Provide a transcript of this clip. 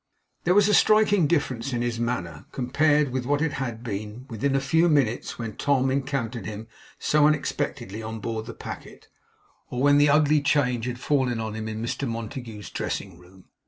There was a striking difference in his manner, compared with what it had been, within a few minutes, when Tom encountered him so unexpectedly on board the packet, or when the ugly change had fallen on him in Mr Montague's dressing room.